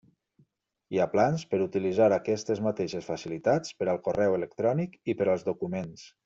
Hi ha plans per utilitzar aquestes mateixes facilitats per al correu electrònic i per als documents.